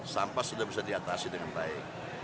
sampah sudah bisa diatasi dengan baik